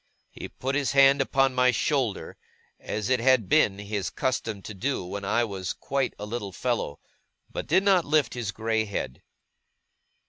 He put his hand upon my shoulder, as it had been his custom to do when I was quite a little fellow, but did not lift his grey head.